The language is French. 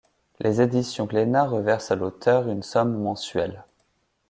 Les éditions Glénat reversent à l'auteur une somme mensuelle.